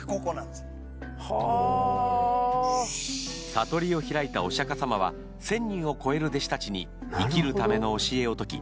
悟りを開いたお釈迦様は１０００人を超える弟子たちに生きるための教えを説き